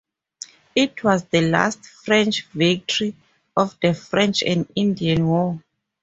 It was the last French victory of the French and Indian War.